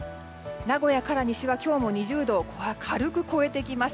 名古屋から西は、今日も２０度を軽く超えてきます。